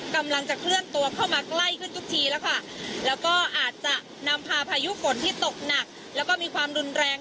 กำลังจะเคลื่อนตัวเข้ามาใกล้ขึ้นทุกทีแล้วค่ะแล้วก็อาจจะนำพาพายุฝนที่ตกหนักแล้วก็มีความรุนแรง